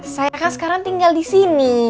saya kan sekarang tinggal disini